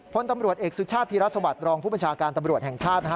พลตำรวจเอกสุชาติธิรัฐสวรรค์รองผู้ประชาการตำรวจแห่งชาติ